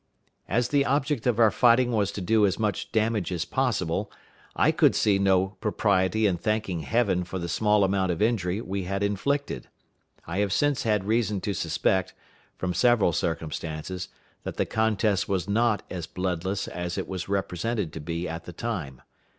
As the object of our fighting was to do as much damage as possible, I could see no propriety in thanking Heaven for the small amount of injury we had inflicted. I have since had reason to suspect, from several circumstances, that the contest was not as bloodless as it was represented to be at the time.